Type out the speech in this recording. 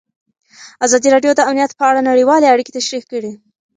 ازادي راډیو د امنیت په اړه نړیوالې اړیکې تشریح کړي.